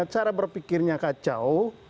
cara berpikirnya kacau